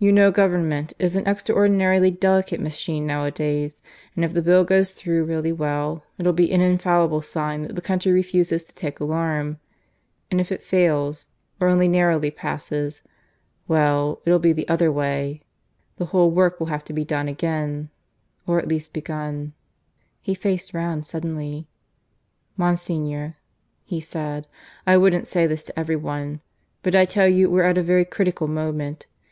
You know Government is an extraordinarily delicate machine nowadays; and if the Bill goes through really well, it'll be an infallible sign that the country refuses to take alarm. And if it fails, or only narrowly passes well, it'll be the other way. The whole work will have to be done again, or at least begun " He faced round suddenly. "Monsignor," he said, "I wouldn't say this to everyone. But I tell you we're at a very critical moment.